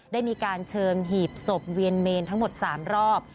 ได้มีการเชิงหีบศพเวียนเมนทั้งหมด๓รอบ